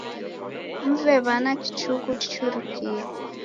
Mve w'ana kichuku chichurikie